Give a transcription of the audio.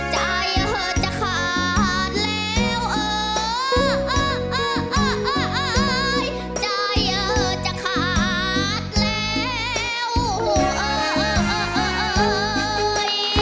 ใจเฉ่าขาดแล้ว